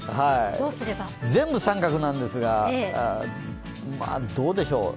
全部△なんですがどうでしょう。